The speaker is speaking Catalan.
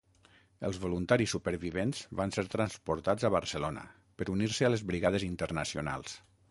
Els voluntaris supervivents van ser transportats a Barcelona per unir-se a les Brigades Internacionals.